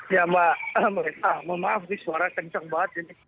ya mbak maaf nih suara kencang banget